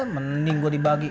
mending gue dibagi